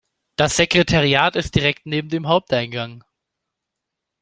Das Sekretariat ist direkt neben dem Haupteingang.